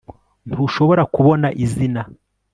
Ntushobora kubona izina